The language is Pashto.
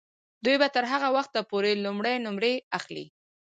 دوی به تر هغه وخته پورې لوړې نمرې اخلي.